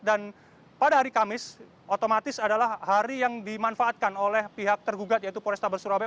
dan pada hari kamis otomatis adalah hari yang dimanfaatkan oleh pihak tergugat yaitu polresta besurabaya